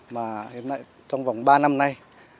mà hiện nay trong vòng ba năm nay